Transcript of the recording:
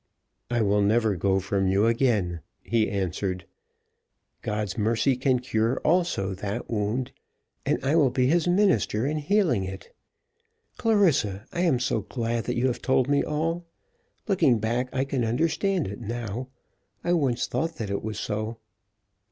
"I will never go from you again," he answered. "God's mercy can cure also that wound, and I will be his minister in healing it. Clarissa, I am so glad that you have told me all. Looking back I can understand it now. I once thought that it was so."